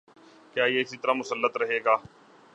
کیا یہ اسی طرح مسلط رہے گا؟